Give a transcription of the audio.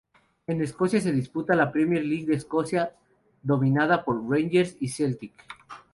En Escocia se disputa la Premier League de Escocia, dominada por Rangers y Celtic.